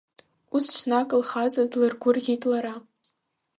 Ус ҽнак лхаҵа длыргәырӷьеит лара.